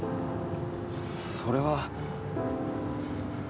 それは。